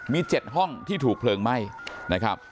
มี๗ห้องที่ถูกเพลิงไหม้นะครับ